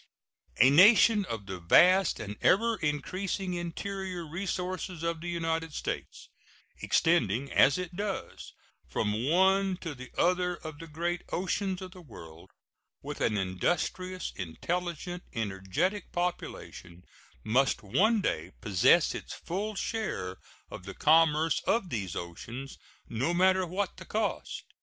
A nation of the vast and ever increasing interior resources of the United States, extending, as it does, from one to the other of the great oceans of the world, with an industrious, intelligent, energetic population, must one day possess its full share of the commerce of these oceans, no matter what the cost.